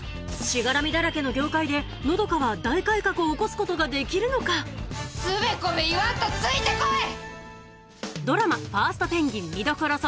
しがらみだらけの業界で和佳は大改革を起こすことができるのか⁉つべこべ言わんとついて来い！